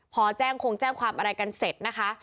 พอแจ้งคงแจ้งความอะไรกันเสร็จนะคะ